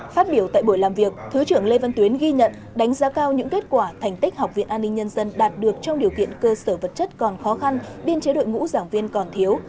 phát biểu tại buổi làm việc thứ trưởng lê văn tuyến ghi nhận đánh giá cao những kết quả thành tích học viện an ninh nhân dân đạt được trong điều kiện cơ sở vật chất còn khó khăn biên chế đội ngũ giảng viên còn thiếu